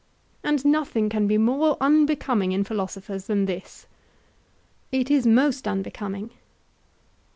and nothing can be more unbecoming in philosophers than this. It is most unbecoming.